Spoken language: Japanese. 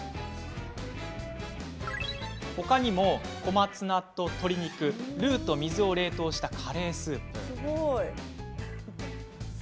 ほかにも、小松菜と鶏肉ルーと水を冷凍したカレースープ。